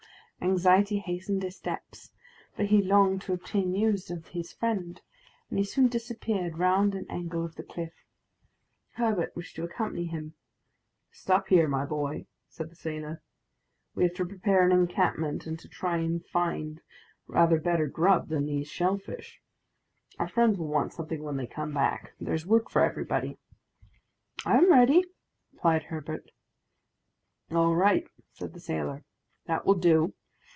Anxiety hastened his steps, for he longed to obtain news of his friend, and he soon disappeared round an angle of the cliff. Herbert wished to accompany him. "Stop here, my boy," said the sailor; "we have to prepare an encampment, and to try and find rather better grub than these shell fish. Our friends will want something when they come back. There is work for everybody." "I am ready," replied Herbert. "All right," said the sailor; "that will do.